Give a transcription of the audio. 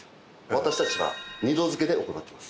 私たちは２度漬けで行ってます。